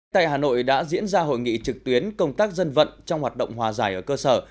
tại hà nội đã diễn ra hội nghị trực tuyến công tác dân vận trong hoạt động hòa giải ở cơ sở